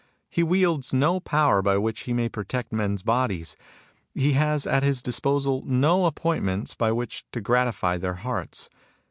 He wields no power by which he may protect men's bodies. He has at his disposal no appointments by which to gratify their hearts.